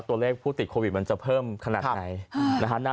ตัวเลขผู้ติดโควิดมันจะเพิ่มขนาดไหนนะฮะ